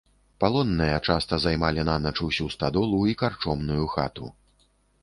Палонныя часта займалі нанач усю стадолу і карчомную хату.